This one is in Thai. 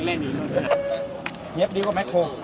มายุ่ยอยู่หน้าปิโต้